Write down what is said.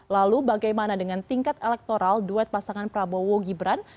lalu bagaimana dengan tingkat elektoral duet pasangan prabowo gibran